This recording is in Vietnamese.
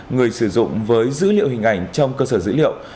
người sử dụng với dữ liệu hình ảnh trong cơ sở dữ liệu